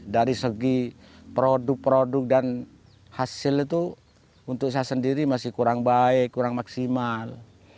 dari segi produk produk dan hasil itu untuk saya sendiri masih kurang baik kurang maksimal